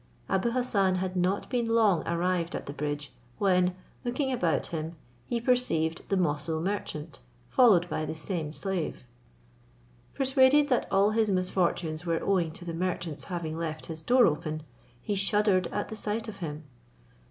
Abou Hassan had not been long arrived at the bridge, when, looking about him, he perceived the Moussul merchant, followed by the same slave. Persuaded that all his misfortunes were owing to the merchant's having left his door open, he shuddered at the sight of him.